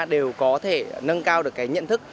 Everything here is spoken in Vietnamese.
đều có thể nâng cao được cái nhận thức